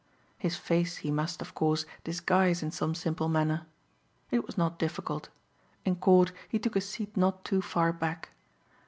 His face he must, of course, disguise in some simple manner. It was not difficult. In court he took a seat not too far back.